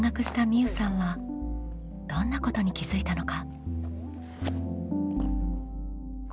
うさんはどんなことに気づいたのか？